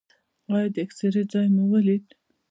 ایا د اکسرې ځای مو ولید؟